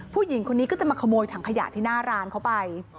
ผู้หญิงคนนี้ก็จะมาขโมยถังขยะที่หน้าร้านเขาไป